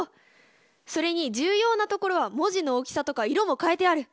それに重要なところは文字の大きさとか色も変えてある。